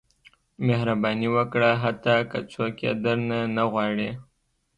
• مهرباني وکړه، حتی که څوک یې درنه نه غواړي.